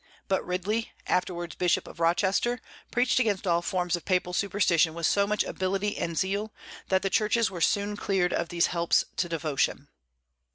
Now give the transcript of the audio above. But Ridley, afterwards Bishop of Rochester, preached against all forms of papal superstition with so much ability and zeal that the churches were soon cleared of these "helps to devotion."